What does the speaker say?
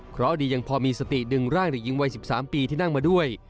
เพราะดียังพอมีสติดึงร่างเด็กหญิงวัย๑๓ปีที่นั่งมาด้วย